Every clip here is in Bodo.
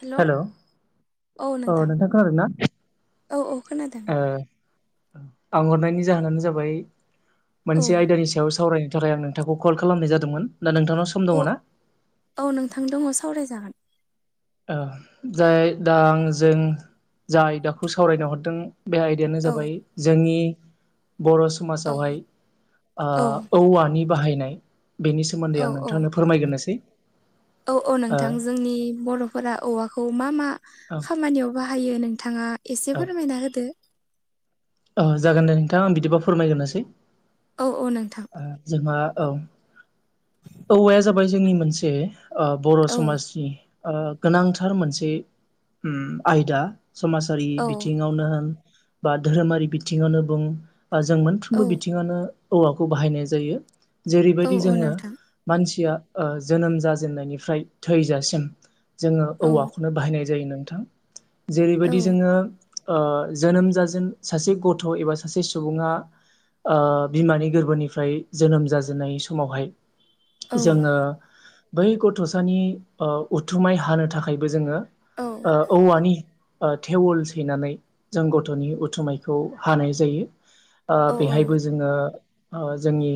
हेलौ हेल' अ नोंथां खोनादों ना औ औ खोनादों ओ आं हरनायनि जाहोनानो जाबाय औ मोनसे आयदानि सायाव सावराय सावराय आं नोंथांखौ कल खालामनाय जादोंमोन दा नोंथांनाव सम औ दङ ना औ नोंथां दङ सावरायजागोन ओ जाय दा आं जों जाय आयदाखौ सावरायनो हरदों बे आयदायानो औ जाबाय जोंनि बर' औ समाजावहाय औ ओ औवानि बाहायनाय बेनि सोमोन्दै औ आं औ नोंथांनो फोरमायगोरनोसै औ औ नोंथां जोंनि बर'फोरा औवाखौ मा मा औ खामानियाव बाहा बाहायो नोंथाङा एसे फोरमायना होदो ओ जागोन दे नोंथां आं बिदिबा फोरमायग्रोनोसै औ औ नोंथां जोंहा ओ जेनबा औ औवाया जाबाय जोंनि मोनसे बर' औ समाजनि ओ गोनांथार मोनसे आयदा समाजारि औ बिथिङावनो होन बा धोरोमारि बिथिङावनो बुं बा जों औ मोनफ्रोमबो बिथिङानो औवाखौ बाहायनाय जायो औ जेरैबायदि औ जोङो नोंथां मानसिया ओ जोनोम जाजेननायनिफ्राय थैजासिम जोङो औ औवाखौनो बाहायनाय जायो नोंथां औ जेरैबायदि जोङो ओ जोनोम जाजेन सासे गथ' एबा सासे सुबुङा ओ बिमानि गोरबोनिफ्राय जोनोम जाजेननाय समावहाय औ जोङो बै गथ'सानि उथुमाय हानो थाखायबो जोङो औ औवानि थेवल सैनानै जों गथ'नि उम। थुमायखौ हानाय जायो ओ औ बेहायबो जोङो जोंनि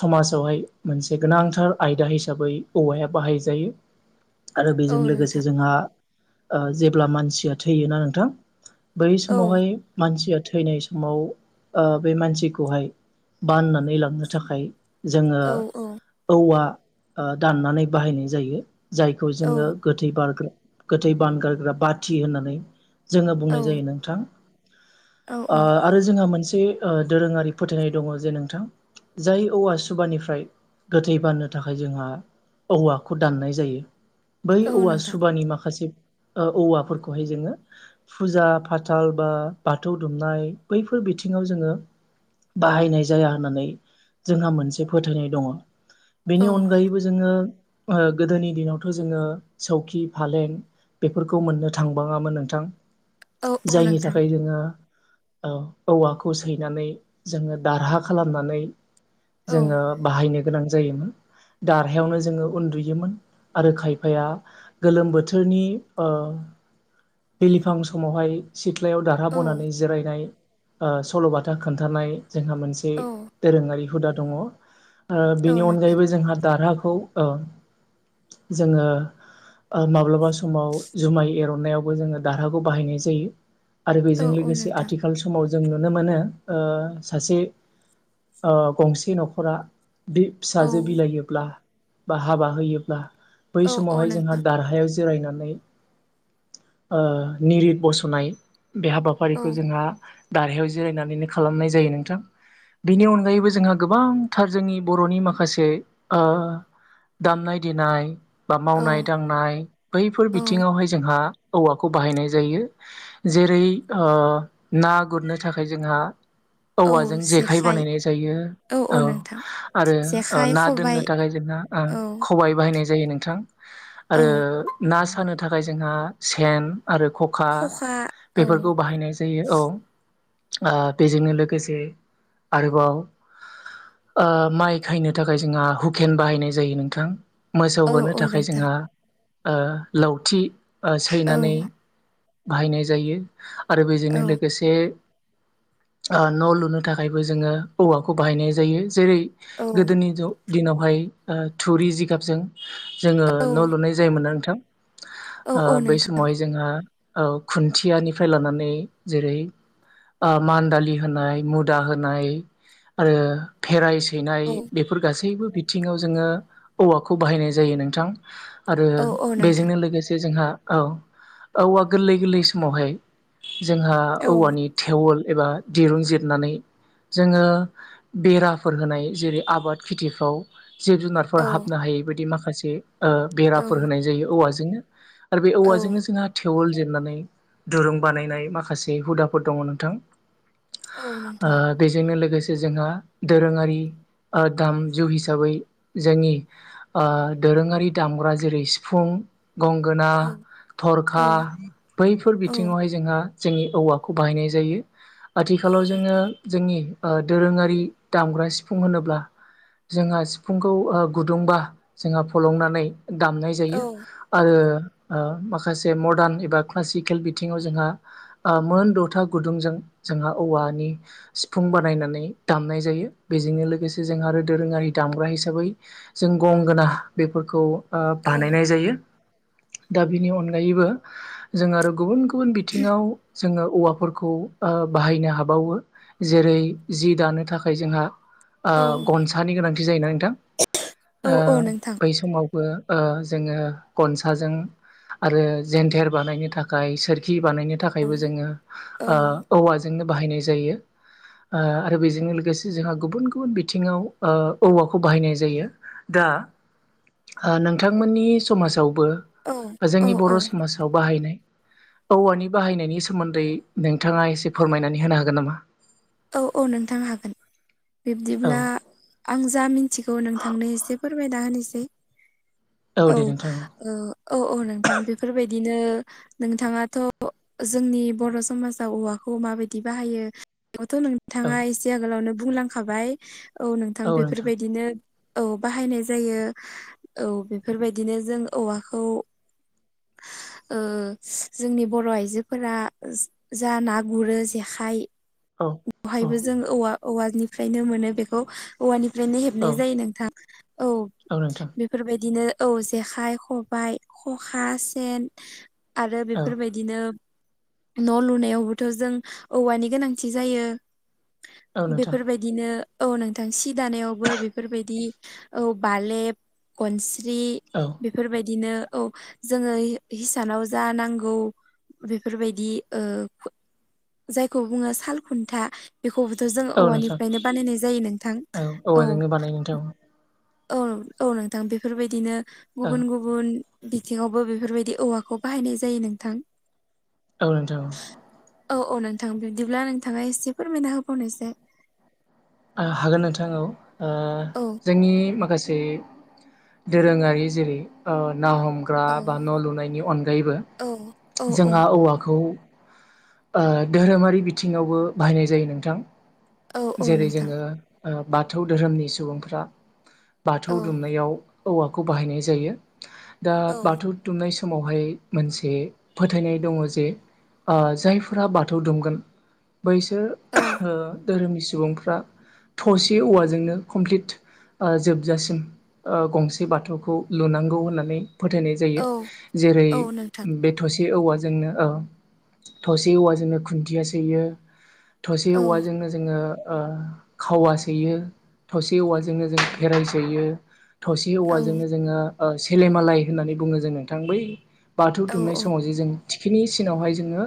समाजावहाय मोनसे गोनांथार आयदा हिसाबै औवाया बाहायजायो। आरो औ बेजों लोगोसे नोंथां जोंहा ओ जेब्ला मानसिया थैयोना नोंथां बै औ समावहाय मानसिया थैनाय समाव ओ बे मानसिखौहाय बाननानै लांनो थाखाय जोङो औ औ औवा दाननानै बाहायनाय जायो जायखौ औ जोङो गोथै बारग्रा गोथै बान गारग्रा बाथि होननानै जोङो औ बुंनाय जायो नोंथां औ आरो जोंहा मोनसे मोनसे दोरोङारि फोथायनाय दङ जे नोंथां जाय औवा सुबानिफ्राय गोथै बारनो थाखाय जोंहा औवाखौ दाननाय जायो बै औ औवा नोंथां सुबानि माखासे औवाफोरखौहाय जोङो फुजा फाथाल बा बाथौ दुमनाय बैफोर बिथिङाव जोङो बाहायनाय जाया होननानै जोंहा मोनसे फोथायनाय दङ' औ बेनि अनगायैबो जोङो ओ गोदोनि दिनावथ' जोङो सौखि फालें बेफोरखौ मोननो थांबाङामोन नोंथां औ औ नोंथां। ओ औवाखौ सैनानै जोङो दारहा खालामनानै औ जोङो बाहायनो गोनां जायोमोन दारहायावनो जोङो उन्दुयोमोन आरो खायफाया गोलोम बोथोरनि ओ। बिलिफां समावहाय सिथ्लायाव बथा औ बनानै जिरायनाय ओ सल'बाथा खोन्थनाय जोंहा मोनसे औ दोरोङारि हुदा दङ आरो बेनि औ नोंथां अनगायैबो जोंहा दारहाखौ ओ। जोङो माब्लाबा समाव जुमाय एरननायावबो जोङो दारहाखौ बाहायनाय जायो। आरो औ बेजों औ लोगोसे नोंथां आथिखाल समाव जों नुनो मोनो ओ सासे गंसे न'खरा बे औ फिसाजो बिलायोब्ला बा हाबा होयोब्ला बै औ औ समावहाय जोंहा नोंथां दारहायाव। जिरायनानै ओ निरिद बस'नाय। बे औ हाबाफारिखौ जोंहा दारहायाव जिरायनानैनो खालामनाय जायो नोंथां बेनि अनगायैबो जोंहा गोबांथार जोंनि बर'नि माखासे ओ दामनाय देनाय। बा औ मावनाय दांनाय बैफोर औ बिथिङावहाय जोंहा औवाखौ बाहायनाय जायो जेरै ओ ना गुरनो थाखाय जोंहा औवाजों जेखाइ बानायनाय जायो औ आरो जेखाइ ना खबाइ दोननो थाखाय जों औ खबबाय बाहायनायम जायो नोंथां औ आरो ना सानो थाखाय जोंहा सेन आरो खखा बेफोरखौ बाहायनाय जायो औ ओ बेजोंनो लोगोसे आरोबाव ओ‌ माइ खायनो थाखाय जोंहा हुकेन बाहायनाय जायो नोंथां मोसौ औ होनो औ थाखाय नोंथां जोंहा लावथि औ सैनानै बाहायनाय जायो आरो बेजोंनो औ लोगोसे ओ न' लुनो थाखायबो जोङो औवाखौ बाहायनाय जायो जेरै औ गोदोनि दिनावहाय थुरि जिगाबजों जोङो औ न' लुनाय जायोमोनना नोंथां औ औ बै नोंथां समावहाय जोङो खुन्थियानिफ्राय लानानै जेरै मान दालि होनाय मुदा होनाय आरो भेराइस सैनाय औ बेफोर गासैबो बिथिङाव जोङो औवाखौ बाहायनाय जायो नोंथां आरो औ औ नोंथां बेजोंनो लोगोसे जोंहा औ औवा गोरलै गोरलै समावहाय जोंहा औ औवानि थेवोल एबा दिरुं जिरनानै जोङो बेराफोर होनाय जेरै आबाद खेथिफ्राव जिब औ जुनारफोर हाबनो हायै बदि माखासे बेराफोर औ होनाय जायो औवाजोंनो आरो बे औवाजोंनो जोंहा थेवल जेरनानै दुरुं बानायनाय माखासे हुदाफोर दङ नोंथां औ नोंथां ओ बेजोंनो लोगोसे जोंहा दोरोङारि दामजु हिसाबै जोंनि दोरोङारि दामग्रा जेरै सिफुं गंगोना औ औ थरखा बैफोर औ बिथिङावहाय जोंहा जोंनि औवाखौ बाहायनाय जायो औ आथिखालाव जोङो नोंथां जोंनि दोरोङारि दामग्रा सिफुं होनोब्ला जोंहा सिफुंखौ गुदुंबा जोंहा फलंनानै दामनाय औ जायो आरो माखासे मडार्न एबा क्लासिकेल बिथिङाव जोंहा मोन दथा गुदुंजों जोंहा औवानि सिफुं बानायनानै दामनाय जायो बेजोंनो लोगोसे जों आरो दोरोङारि दामग्रा हिसाबै जों गं गोना बेफोरखौ औ बानायनाय जायो दा बेनि अनगायैबो जों आरो गुबुन गु बुन बिथिङाव जोङो औवाफोरखौ बाहायनो हाबावो जेरै जि दानो थाखाय जोंहा ओ औ गनसानि गोनांथि जायोना नोंथां औ ओ औ नोंथां बै समाव बो ओ जोङो खनसाजों आरो जेन्थेर बानायनो थाखाय सोरखि बानायनो थाखायबो जोङो औ ओ औवाजोंनो बाहायनाय जायो ओ आरो बेजोंनो लोगोसे जोंहा ओ गुबुन गुबुन बिथिङाव औवाखौ बाहायनाय जायो दा नोंथांमोननि समाजाव बो औ जोंनि औ बर' समाजाव बाहायनाय औवानि बाहायनायनि सोमोन्दै नोंथाङा एसे फोरमायनानै होनो हागोन नामा औ औ नोंथां हागोन औ बिब्दिब्ला आं जा मिथिगौ नोंथांनो एसे फोरमायना होनोसै औ ओ औ नोंथां बेफोरबायदिनो नोंथाङाथ' जोंनि बर' समाजाव औवाखौ माबायदि बाहायो आंथ' नोंथाङा एसे आगोलावनो बुंलांखाबाय औ नोंथां बेफोरबायदिनो औ बाहायनाय जायो औ बेफोरबायदिनो जों औवाखौ ओ जोंनि बर' आइजोफोरा जा ना गुरो जेखाइ औ औ बेवहायबो जों औवा औवानिफ्रायनो मोनो बेखौ औवानि फ्रायनो औ हेबनाय जायो नोंथां औ बेफोरबायदिनो औ जेखाइ खबायाइ खखा सेन आरो औ बेफोरबायदिनो न' लुनायावबोथ' जों औवानि गोनांथि जायो औ नोंथां बेफोरबायदिनो औ नोंथां सि दानायावबो बेफोरबायदि औ बालेब गन स्रि औ बेफोरबायदिनो औ जोङो हिसानाव जा नांगौ बेफोरबायदि ओ जायखौ बुङो साल खुन्था बेखौबोथ' जों औ नोंथां औवानिफ्रायनो बानायनाय जायो नोंथां औ औवाजोंनो बानायो नोंथां औ औ नोंथां बेफोरबायदिनो औ गुबुन गुबुन बिथिङावबो बेफोरबायदि औवाखौ बाहायनाय जायो नोंथां औ नोंथां औ औ औ नोंथां बिब्दिब्ला नोंथाङा एसे फोरमायना होबावनायसाय हागोन नोंथां औ ओ औ जोंनि माखासे जे दोरोङारि जेरै- ओ ना हमग्रा औ बा न' लुनायनि अनगायैबो औ औ औ जोंहा औवाखौ ओ धोरोमारि बिथिङावबो बाहायनाय जायो नोंथां औ औ जेरै- नोंथां जोङो ओ बाथौ धोरोमनि सुबुंफ्रा बाथौ औ दुमनायाव औवाखौ बाहायनाय जायो। दा औ बाथौ दुमनायस समावहाय मोनसे फोथायनाय दङ जे ओ जायफोरा बाथौ दुमगोन बैसोर औ ओ धोरोमनि सुबुंफ्रा थसे औवाजोंनो कमप्लिट ओ जोबजासिम ओ गंसे बाथौखौ लुनांगौ होननानै फोथायनाय जायो। औ औ नोंथां जेरै- बे थ'से ए औवाजोंनो ओ थसे औवाजोंनो खुन्थिया सैयो थसे औ औवाजोंनो जोङो ओ खावा सैयो, थसे औवाजोंनो जों फेराइ सैयो थसे औ औवाजोंनो जोङो ओ सेलेमालाय होननानै बुङो जों नोंथां बै बाथौ औ दुमनाय समाव जे जों थिखिनि सिनावहाय जोङो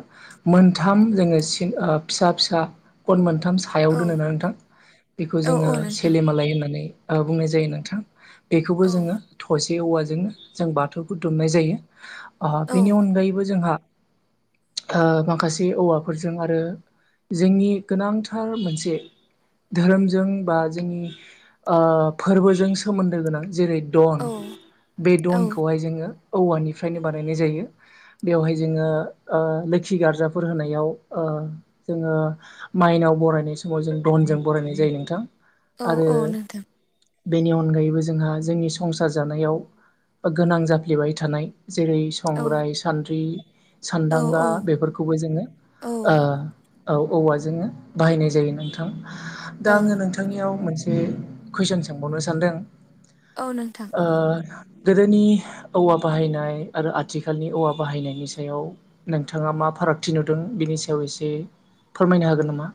मोनथाम जोङो सिन ओ फिसा फिसा गन मोनथ थाम सायाव औ दोनो ना नोंथां बेखौ औ जोङो औ नोंथां सेलिमालाय होननानै ओ बुंनाय जायो नोंथां। बेखौबो औ जोङो थसे औवाजोंनो जों बाथौखौ दुमनाय जायो। ओ औ बेनि अनगायैबो जोंहा ओ माखासे औवाफोरजों आरो जोंनि गोनांथार मोनसे धोरोमजों बा जोंनि ओ फोरबोजों सोमोन्दो गोनां जेरै- दन औ बे दनखौहाय जोङो औवानिफ्रायनो बानायनाय जायो। बेवहाय जोङो ओ लोखि गार्जाफोर होनायाव ओ जोङो माइनाव बरायनाय समाव जों दनजों बरायनाय जायो नोंथां। औ औ आरो नोंथां बेनि अनगायैबो जोंहा जोंनि संसार जानायाव गोनां जाफ्लेबाय थानाय जेरै- औ संग्राय, सान्द्रि औ सान्दांगा बेफोरखौबो जोङो औ ओ औ औवाजोंनो बाहायनाय जायो नोंथां। दा औ आङो नोंथांनियाव मोनसे ए कुइसन सोंबावनो सानदों औ नोंथां ओ गोदोनि औवा बाहायनाय आरो आथिखालनि औवा बाहायनायनि सायाव नोंथाङा मा मा फारागथि नुदों बेनि सायाव एसे फोरमायनो हागोन नामा?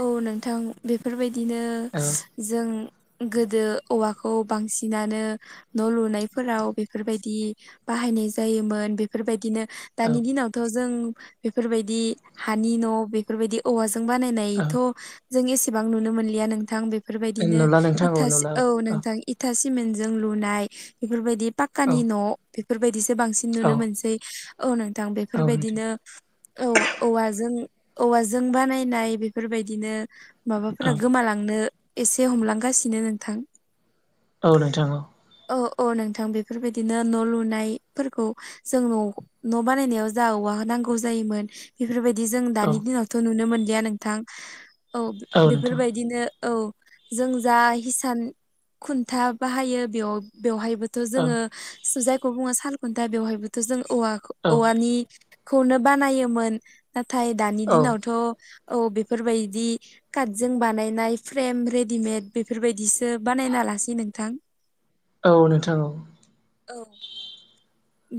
औ नोंथां बेफोरबायदिनो औ जों गोदो औवाखौ बांसिनानो न' लुनायफोराव बेफोरबायदि बाहायनाय जायोमोन बेफोरबायदिनो औ दानि दिनावथ' जों बेफोरबायदि हानि न' बेफोरबायदि औवाजों बानायनाय औ थ' जों एसेबां नुनो मोनलिया नोंथां बे फोरबायदिनो नुला नोंथां इथा नुला औ नोंथां इथा सिमेन्टजों लुनाय बेफोरबायदि औ पाक्कानि न' बेफोरबायदिसो बांसिन नुनो औ मोनसै औ नों थां। औ नोंथां बेफोरबायदिनो औ औवाजों औवाजों बानायनाय बे फोरबायदिनो औ माबाफोरा गोमालांनो एसे हमलांगासिनो नोंथां औ नोंथा औ। अ अ नोंथां बेफोरबायदिनो न' लुनायफोरखौ जों न' न' बानायनायाव जा औवा वा नांगौ‌ जायोमोन बेफोरबायदि जों दानि औ दिनावथ' नुनो मोनलिया नोंथां औ बेफोरबायदिनो औ जों जा हिसान खुन्था बाहायो बेयाव बेवहायबोथ' औ जोङो जायखौ बुङो सालखुन्था बेवहायबोथ' जों औवाखौ औ औवानि खौनो बानायोमोन नाथाय दानि औ दिनावथ' औ बेफोरबायदि काटजों बानायनाय फ्रेम रेडिमेड बेफोरबायदिसो बानायना लासि नोंथां। औ नोंथां औ। औ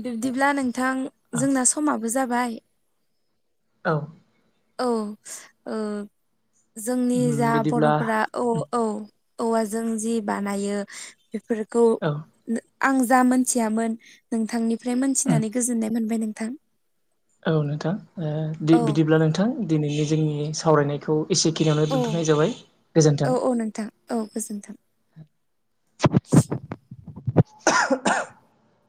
बिब्दिब्ला नोंथां जोंना समाबो जाबाय औ। औ ओ जोंनि जा बिदिब्ला बर'फोरा औ औ। औवाजों जि बानायो बेफोरखौ औ आं जा मोनथियामोन नोंथांनिफ्राय मोनथिनानै गोजोननाय मोनबाय नोंथां। औ नोंथां ओ औ बिदिब्ला नोंथां दिनैनि जोंनि सावरायनायखौ एसेखिनियावनो औ दोनथ'नाय जाबाय गोजोन्थों। औ नोंथां औ गोजोन्थों। [unintelligible] [unintelligible]